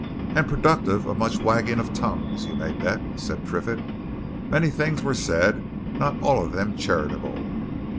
"And productive of much wagging of tongues, you may bet!" said Triffitt. "Many things were said not all of them charitable.